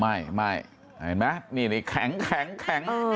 ไม่ไม่เห็นไหมนี่แข็งแข็งแข็ง